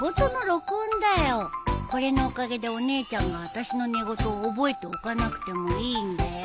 これのおかげでお姉ちゃんがあたしの寝言を覚えておかなくてもいいんだよ。